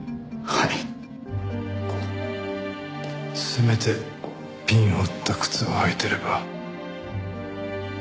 せめてピンを打った靴を履いてれば。